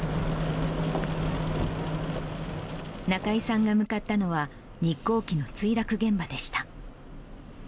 中井さんが向かったのは、日航機の墜落現場でした。